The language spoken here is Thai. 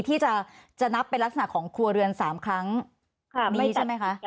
ที่จะนับเป็นลักษณะของครัวเรือน๓ครั้งใช่ไหมคะ